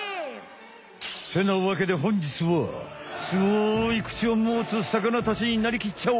てなわけでほんじつはスゴい口をもつさかなたちになりきっちゃおう！